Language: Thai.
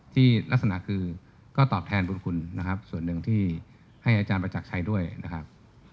ที่ลักษณะคือก็ตอบแทนบุญคุณนะครับส่วนหนึ่งที่ให้อาจารย์ประจักรชัยด้วยนะครับ